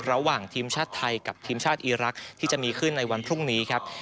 ระหว่างทีมชาติไทยกับทีมชาติอีรักษ์ที่จะมีขึ้นในวันพรุ่งนี้ครับ